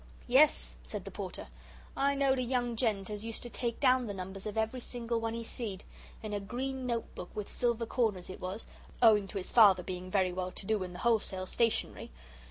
"Yes," said the Porter, "I knowed a young gent as used to take down the numbers of every single one he seed; in a green note book with silver corners it was, owing to his father being very well to do in the wholesale stationery."